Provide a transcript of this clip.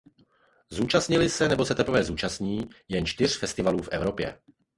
Zúčastnili se nebo se teprve zúčastní jen čtyř festivalů v Evropě.